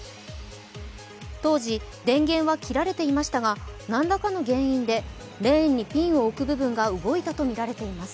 当時、電源は切られていましたが何らかの原因でレーンにピンを置く部分が動いたとみられています。